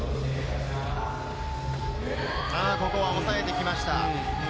ここは抑えてきました。